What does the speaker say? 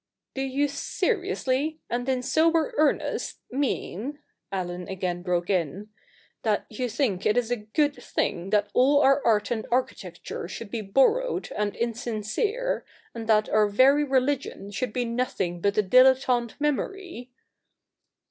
' Do you seriously, and in sober earnest, mean,' Allen again broke in, ' that you think it a good thing that all our art and architecture should be borrowed and in sincere, and that our very religion should be nothing but a dilettante memory